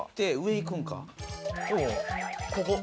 ここ。